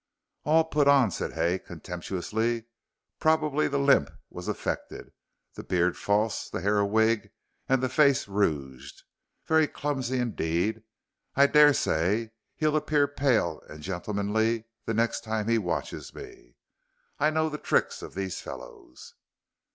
"All put on," said Hay, contemptuously; "probably the limp was affected, the beard false, the hair a wig, and the face rouged very clumsy indeed. I daresay he'll appear pale and gentlemanly the next time he watches me. I know the tricks of these fellows."